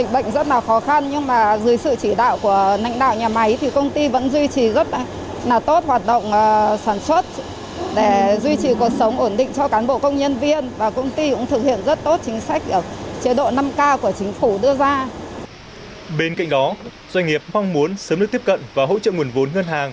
bên cạnh đó doanh nghiệp mong muốn sớm được tiếp cận và hỗ trợ nguồn vốn ngân hàng